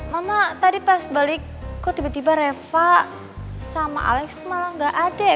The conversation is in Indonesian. mama tadi pas balik kok tiba tiba reva sama alex malah gak ada ya